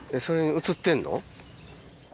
それに映ってんの？